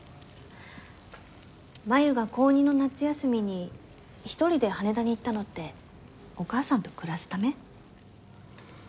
真夢が高２の夏休みに一人で羽田に行ったのってお母さんと暮らすため？